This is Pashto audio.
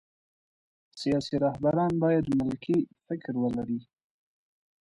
سیاسي رهبران باید ملي فکر ولري